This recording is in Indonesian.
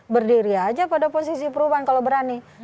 berdiri aja pada posisi perubahan kalau berani